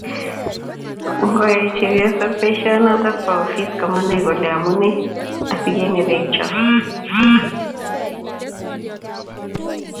ngoyai chepyosok boisietap ofis komanai kole amune asikerongcho mwaita teret nemi bek